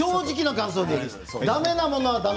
だめなものはだめ。